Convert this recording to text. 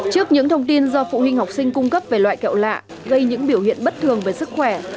trước những thông tin do phụ huynh học sinh cung cấp về loại kẹo lạ gây những biểu hiện bất thường về sức khỏe